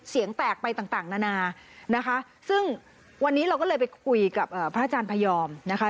เสียงแตกไปต่างนานานะคะซึ่งวันนี้เราก็เลยไปคุยกับพระอาจารย์พยอมนะคะ